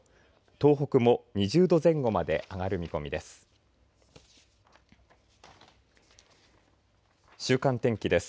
東北も２０度前後まで上がる見込みです。